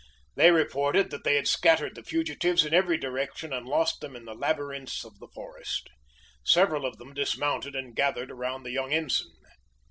They reported that they had scattered the fugitives in every direction and lost them in the labyrinths of the forest. Several of them dismounted and gathered around the young ensign.